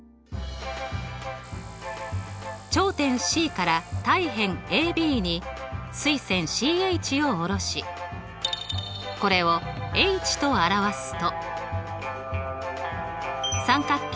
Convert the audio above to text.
頂点Ｃから対辺ＡＢに垂線ＣＨを下ろしこれをｈと表すと三角形